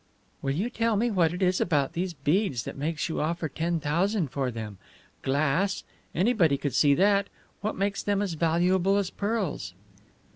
"Will you tell me what it is about these beads that makes you offer ten thousand for them? Glass anybody could see that. What makes them as valuable as pearls?"